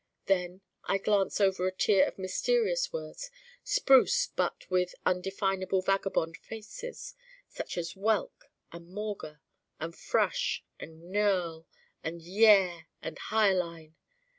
Then I glance over a tier of mysterious words, spruce but with indefinable vagabond faces: such as Whelk and Mauger and Frush and Gnurl and Yare and Hyaline.